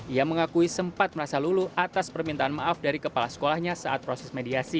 ia mengakui sempat merasa lulu atas permintaan maaf dari kepala sekolahnya saat proses mediasi